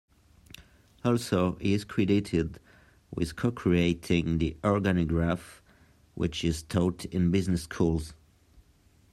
Also, he is credited with co-creating the organigraph, which is taught in business schools.